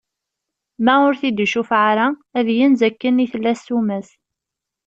Ma ur t-id-icufeɛ ara, ad yenz akken i tella ssuma-s.